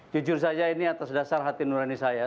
jujur saja ini atas dasar hati nurani saya